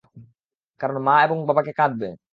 কারণ মা এবং বাবাকে কাঁদবে।